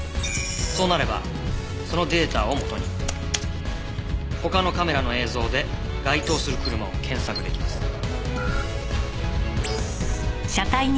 そうなればそのデータをもとに他のカメラの映像で該当する車を検索出来ます。